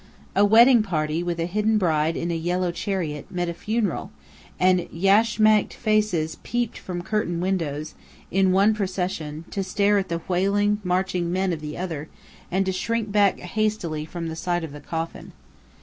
A wedding party with a hidden bride in a yellow chariot, met a funeral, and yashmaked faces peeped from curtained windows, in one procession, to stare at the wailing, marching men of the other, and to shrink back hastily from the sight of the coffin.